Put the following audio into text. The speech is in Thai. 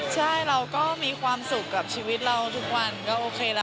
ใช่เราก็มีความสุขกับชีวิตเราทุกวันก็โอเคละ